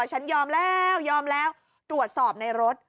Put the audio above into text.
ฉันยอมแล้วยอมแล้วตรวจสอบในรถ